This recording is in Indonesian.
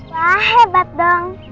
wah hebat dong